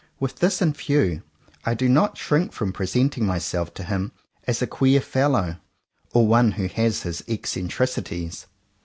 With this in view, I do not shrink from presenting myself to him as a "queer fellow" or one who has his eccen tricities.